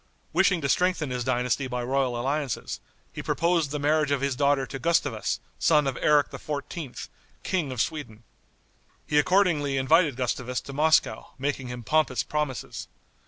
Wishing to strengthen his dynasty by royal alliances, he proposed the marriage of his daughter to Gustavus, son of Eric XIV., King of Sweden. He accordingly invited Gustavus to Moscow, making him pompous promises.